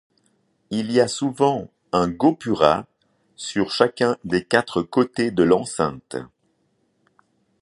Il y a souvent un gopura sur chacun des quatre côtés de l'enceinte.